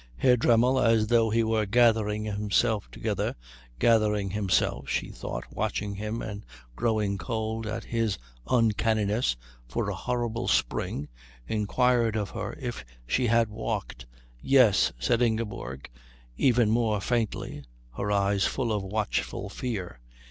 Herr Dremmel, as though he were gathering himself together gathering himself, she thought watching him and growing cold at his uncanniness, for a horrible spring inquired of her if she had walked. "Yes," said Ingeborg even more faintly, her eyes full of watchful fear.